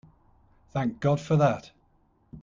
Thank God for that!